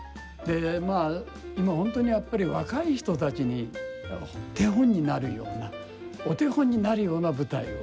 まあ今本当にやっぱり若い人たちに手本になるようなお手本になるような舞台を。